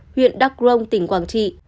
huyện đắk rông tỉnh quảng trị